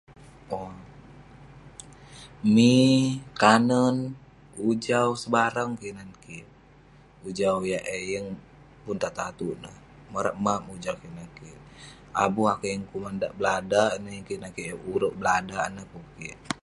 Owk- mi, kanen, ujau, sebarang kinan kik. Ujau yah eh yeng pun tatuk-tatuk neh, morap map ujau kinan kik. Abu arkouk yeng kuman dak, beladak ineh yeng kinan kik. Urouk beladak ineh kukik.